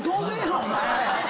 お前！